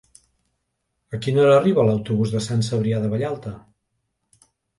A quina hora arriba l'autobús de Sant Cebrià de Vallalta?